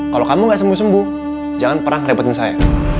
kalau kamu nggak sembuh sembuh jangan pernah keribetin saya